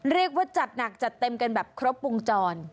เรียกว่าจัดหนักจัดเต็มกันแบบครบวงจร